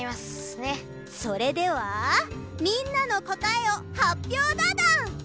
それではみんなのこたえをはっぴょうだドン！